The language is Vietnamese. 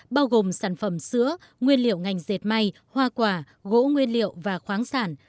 bao gồm sản phẩm sữa nguyên liệu ngành dệt may hoa quả gỗ nguyên liệu và khoáng sản